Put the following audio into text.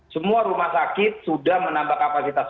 semua rumah sakit sudah menambah kapasitas